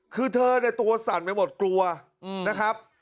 คือเธอเนี่ยตัวสั่นไปหมดกลัวนะครับ